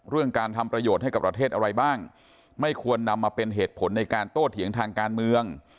เรื่องการทำประโยชน์ให้กับประเทศอะไรบ้างไม่ควรนำมาเป็นเหตุผลในการโตเถียงทางการเมือง